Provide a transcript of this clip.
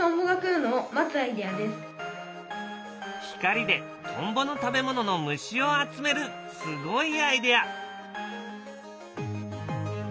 光でトンボの食べ物の虫を集めるすごいアイデア。